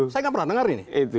saya nggak pernah dengar ini